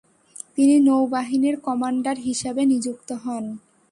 তিনি নৌবাহিনীর কমান্ডার হিসাবে নিযুক্ত হন।